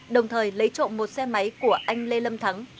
đồng thời lấy trộm một xe máy của anh lê lâm thắng